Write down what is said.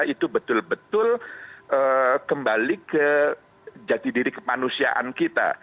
itu betul betul kembali ke jati diri kemanusiaan kita